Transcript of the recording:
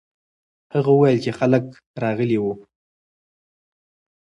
هغه وویل چې خلک راغلي وو.